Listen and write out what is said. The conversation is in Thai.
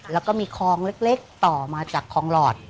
แล้วก็มีคลองเล็กต่อมาจากคลองหลอด